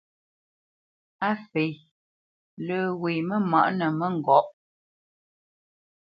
Á fê lə́ ŋgwə mə mâʼnə̌ pə̂ mə́ŋgôp.